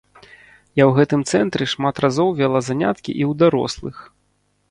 Я ў гэтым цэнтры шмат разоў вяла заняткі і ў дарослых.